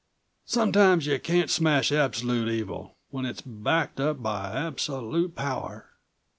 Sometimes you can't smash absolute evil, when it's backed up by absolute power."